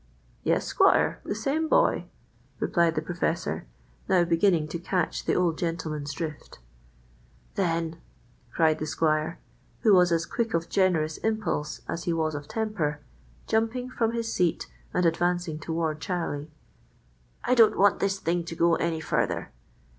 "Yes, squire, the same boy," replied the professor, now beginning to catch the old gentleman's drift. "Then," cried the squire, who was as quick of generous impulse as he was of temper, jumping from his seat and advancing toward Charlie, "I don't want this thing to go any further.